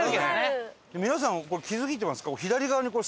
皆さん気付いてますか？